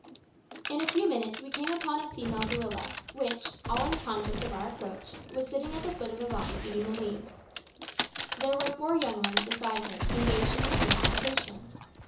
In a few minutes we came upon a female gorilla, which, all unconscious of our approach, was sitting at the foot of a vine, eating the leaves. There were four young ones beside her, engaged in the same occupation.